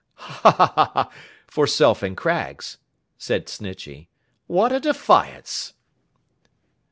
'Ha, ha, ha,—for Self and Craggs,' said Snitchey. 'What a defiance!